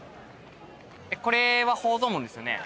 これは宝蔵門ですよね？